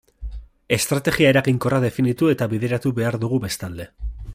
Estrategia eraginkorra definitu eta bideratu behar dugu bestalde.